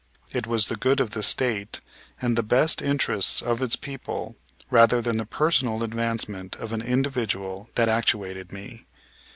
It was the good of the State and the best interests of its people rather than the personal advancement of an individual that actuated me.